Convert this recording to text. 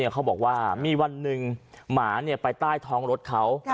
เขาบอกว่ามีวันหนึ่งหมาไปใต้ท้องรถเขา